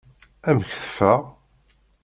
Amek teffeɣ?